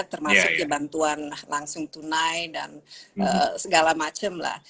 termasuk ya bantuan langsung tunai dan segala macam lah